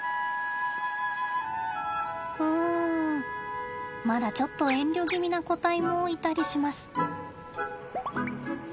うんまだちょっと遠慮気味な個体もいたりします。